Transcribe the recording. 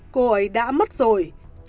cô ấy đã mất rồi